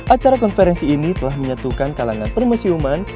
acara konferensi ini telah menyatukan kalangan permusiuman